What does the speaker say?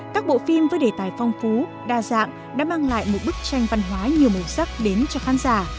các bộ phim với đề tài phong phú đa dạng đã mang lại một bức tranh văn hóa nhiều màu sắc đến cho khán giả